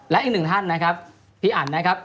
และอีกหนึ่งท่านนะครับพี่อันนะครับ